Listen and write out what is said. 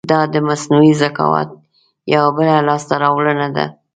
دا د مصنوعي ذکاوت یو بله لاسته راوړنه ده.